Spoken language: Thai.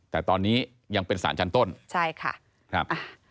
แต่ตอนนี้ยังเป็นสารชั้นต้นใช่ค่ะครับ